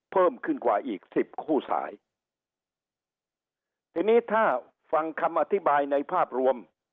เพิ่มขึ้นกว่าอีกสิบคู่สายทีนี้ถ้าฟังคำอธิบายในภาพรวม